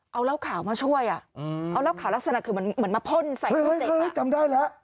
เอาเหล้าขาวมาช่วยอ่ะเอาเหล้าขาวลักษณะคือเหมือนมาพ่นใส่รถเด็กจำได้แล้ว